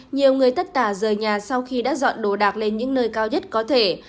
nhiều người tất cả rời nhà sau khi đã dọn đồ đạc lên những nơi cao nhất có thể